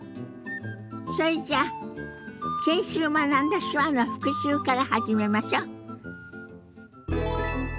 それじゃあ先週学んだ手話の復習から始めましょ。